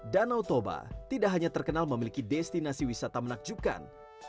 danau toba tidak hanya terkenal memiliki destinasi wisata menakjubkan